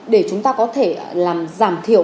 để chúng ta có thể làm giảm thiểu